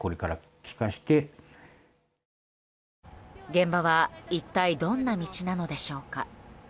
現場は一体、どんな道なのでしょうか。